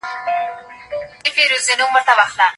د هیواد د ژغورنې لپاره به دا ډول ناستي ډېرې اړيني وي.